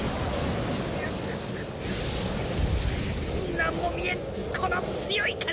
クッ何も見えんこの強い風！